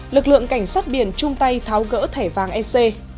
lực lượng cảnh sát biển trung tây tháo gỡ thẻ vàng ec